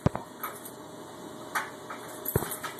বিন্দু বলে, মরে গেলাম আমি, মনের জোর কোথা পাব?